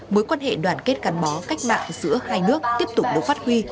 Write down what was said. mối quan hệ đoàn kết gắn bó cách mạng giữa hai nước tiếp tục đối phát huy